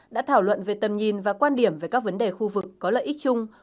đã thảo luận về tầm nhìn và quan điểm về các vấn đề khu vực có lợi ích chung